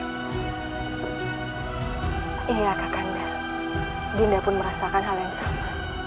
iya kak kanda dinda pun merasakan hal yang sama